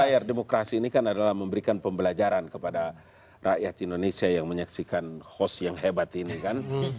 layar demokrasi ini kan adalah memberikan pembelajaran kepada rakyat indonesia yang menyaksikan host yang hebat ini kan